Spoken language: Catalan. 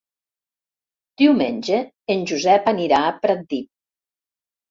Diumenge en Josep anirà a Pratdip.